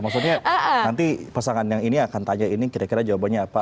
maksudnya nanti pasangan yang ini akan tanya ini kira kira jawabannya apa